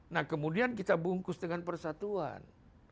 nah kemudian kita bungkus dengan persatuan